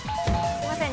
すいません。